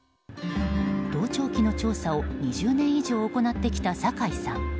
盗聴器の調査を２０年以上行ってきた酒井さん。